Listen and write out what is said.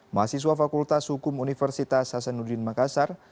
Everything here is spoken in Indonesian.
mahasiswa fakultas hukum universitas hasanuddin makassar